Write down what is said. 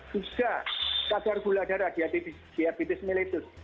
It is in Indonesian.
tiga kadar gula darah di diabetes mellitus